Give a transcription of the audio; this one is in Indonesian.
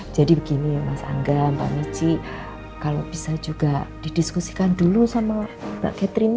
jadi begini mas angga mbak michi kalau bisa juga didiskusikan dulu sama mbak catherine